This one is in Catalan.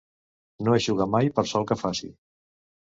No eixugar mai per sol que faci.